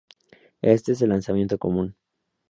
Este es el lanzamiento común.